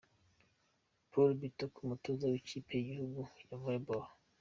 Paul Bitok umutoza w'ikipe y'igihugu ya Volleyball.